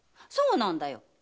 そうなんだよ。